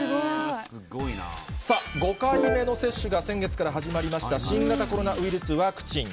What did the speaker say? すごい。さあ、５回目の接種が先月から始まりました、新型コロナウイルスワクチン。